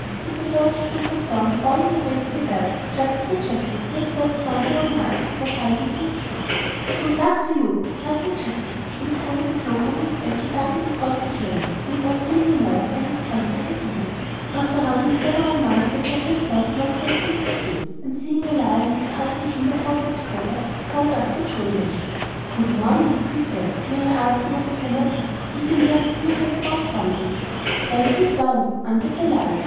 With the first streak of dawn he bounded away to the bell, just as the jackal, who had slept soundly all night, was rising to his feet. 'Good luck to you,' cried the jackal. And throwing the cloak over his back he darted away across the plain, and was seen no more by his friend the hyena. After running several miles the jackal thought he was safe from pursuit, and seeing a lion and another hyena talking together, he strolled up to join them. 'Good morning,' he said; 'may I ask what is the matter? You seem very serious about something.' 'Pray sit down,' answered the lion.